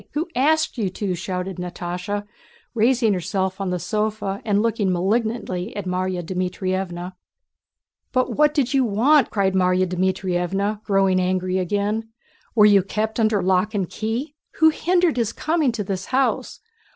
Who asked you to?" shouted Natásha, raising herself on the sofa and looking malignantly at Márya Dmítrievna. "But what did you want?" cried Márya Dmítrievna, growing angry again. "Were you kept under lock and key? Who hindered his coming to the house?